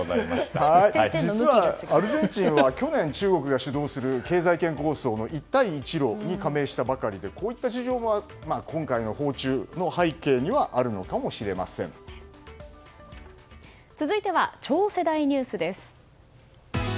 実はアルゼンチンは去年、中国が主導する経済圏構想の一帯一路に加盟したばかりでこういった事情も今回の訪中のいつものおいしさで内臓脂肪対策。